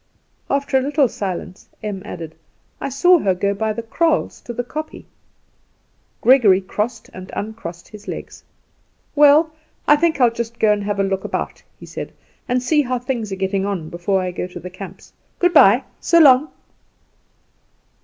After a little silence Em added, "I saw her go by the kraals to the kopje." Gregory crossed and uncrossed his legs. "Well, I think I'll just go and have a look about," he said, "and see how things are getting on before I go to the camps. Good bye; so long."